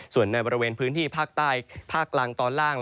ส่วนในบริเวณพื้นที่ภาคใต้ภาคกลางตอนล่าง